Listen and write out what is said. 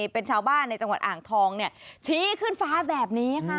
เป็นชาวบ้านในจังหวัดอ่างทองชี้ขึ้นฟ้าแบบนี้ค่ะ